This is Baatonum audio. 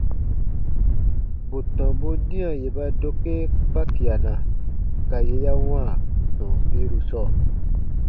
Bù tɔmbun nia yè ba dokee kpakiana ka yè ya wãa sɔ̃ɔsiru sɔɔ.